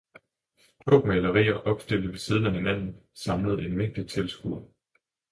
to malerier opstillet ved siden af hinanden samlede en mængde tilskuere.